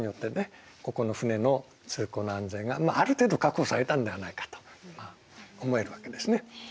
ここの船の通行の安全がある程度確保されたんではないかと思えるわけですね。